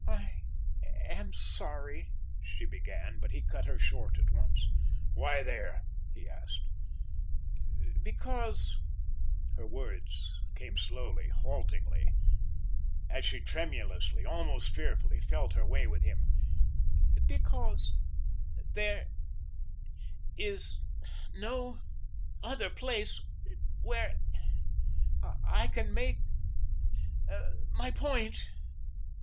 "I am sorry," she began, but he cut her short at once. "Why there?" he asked. "Because" her words came slowly, haltingly, as she tremulously, almost fearfully, felt her way with him "because there is no other place where I can make my point."